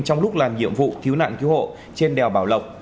trong lúc làm nhiệm vụ cứu nạn cứu hộ